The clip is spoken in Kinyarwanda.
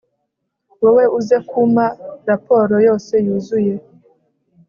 wowe uze kuma raporo yose yuzuye